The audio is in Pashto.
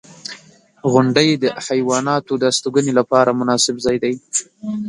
• غونډۍ د حیواناتو د استوګنې لپاره مناسب ځای دی.